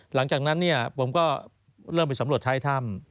หลังจากนั้นเนี่ยผมก็เริ่มไปสำรวจท้ายถ้ำ